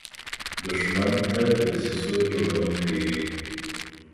دښمن تل د دسیسو جوړونکی وي